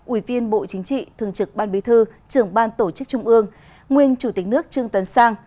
ủy viên bộ chính trị thường trực ban bí thư trưởng ban tổ chức trung ương nguyên chủ tịch nước trương tấn sang